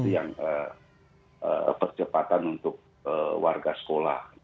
yang percepatan untuk warga sekolah